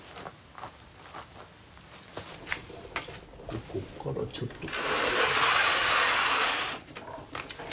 ここからちょっと。